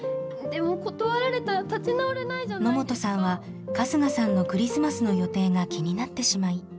野本さんは春日さんのクリスマスの予定が気になってしまい。